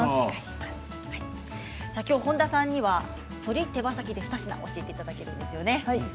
きょう本田さんには鶏手羽先２品教えていただけるんですよね。